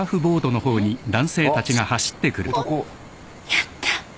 やった。